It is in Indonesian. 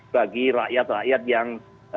bagi rakyat rakyat yang